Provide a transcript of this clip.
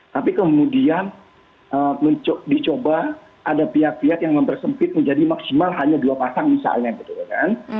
tapi kemudian dicoba ada pihak pihak yang mempersempit menjadi maksimal hanya dua pasang misalnya gitu kan